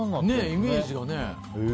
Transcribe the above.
イメージがね。